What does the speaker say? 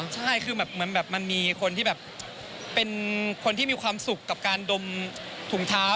ใช่คือมันมีคนที่เป็นคนที่มีความสุขกับการดมถุงเท้า